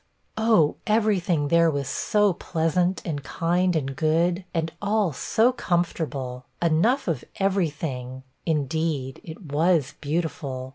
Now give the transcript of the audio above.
'Oh, every thing there was so pleasant, and kind, and good, and all so comfortable; enough of every thing; indeed, it was beautiful!'